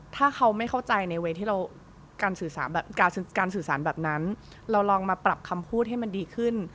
ถ้าเขาไม่เข้าใจในเวลาที่เราการสื่อสารแบบนั้นเราลองมาปรับคำพูดให้มันดีขึ้น